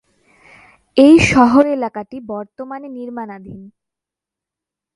এই শহর এলাকাটি বর্তমানে নির্মাণাধী।